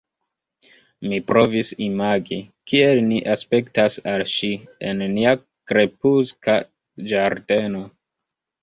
Mi provis imagi, kiel ni aspektas al ŝi, en nia krepuska ĝardeno.